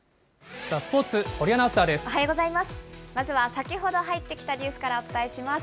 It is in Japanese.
先ほど入ってきたニュースから、お伝えします。